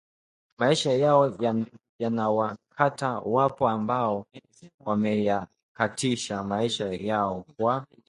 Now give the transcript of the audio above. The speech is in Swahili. maisha yao yanawakata, wapo ambao wameyakatisha maisha yao kwa